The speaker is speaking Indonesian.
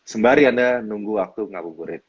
sembari anda nunggu waktu ngabuburit